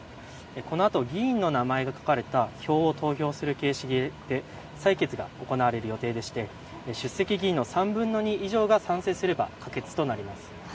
このあと議員の名前が書かれた票を投票する形式で採決が行われる予定で出席議員の３分の２以上が賛成すれば可決となります。